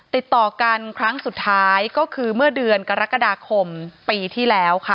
ติดต่อกันครั้งสุดท้ายก็คือเมื่อเดือนกรกฎาคมปีที่แล้วค่ะ